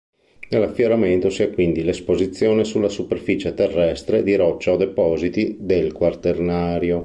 Nell'affioramento si ha quindi l'esposizione sulla superficie terrestre di roccia o depositi del quaternario.